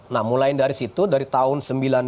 nah mulai dari situ dari tahun